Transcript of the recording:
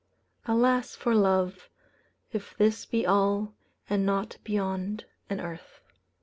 "Alas for love! if this be all, And nought beyond an earth."